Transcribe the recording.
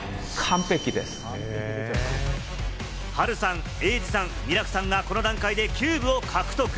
ハルさん、エイジさん、ミラクさんがこの段階でキューブを獲得。